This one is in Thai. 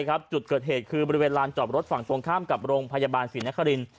ครับจุดเกิดเหตุคือเป็นเวลาจอบรถฝั่งตรงข้ามกับโรงไพยับาลศิลป์นครรีน